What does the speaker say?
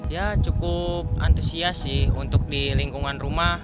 ya cukup antusias sih untuk di lingkungan rumah